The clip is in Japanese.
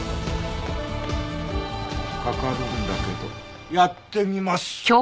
かかるんだけどやってみます！